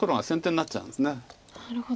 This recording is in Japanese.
なるほど。